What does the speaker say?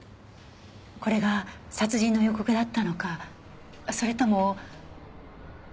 これが殺人の予告だったのかそれとも。